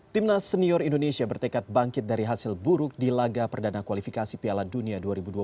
timnas senior indonesia bertekad bangkit dari hasil buruk di laga perdana kualifikasi piala dunia dua ribu dua puluh